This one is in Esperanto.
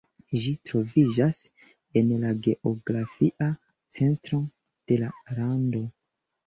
Ĝi troviĝas en la geografia centro de la lando.